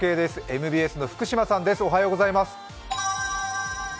ＭＢＳの福島さんです。